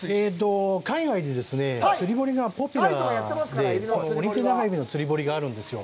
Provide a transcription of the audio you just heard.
海外では釣り堀がポピュラーで、オニテナガエビの釣堀があるんですよ。